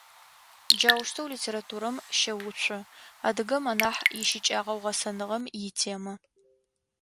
Джаущтэу литературэм щэуцу адыгэм анахь ищыкӏагъэу-гъэсэныгъэм итемэ.